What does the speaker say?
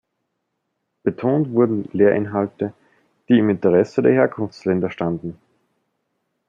Betont wurden Lehrinhalte, die im Interesse der Herkunftsländer standen.